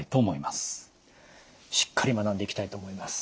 しっかり学んでいきたいと思います。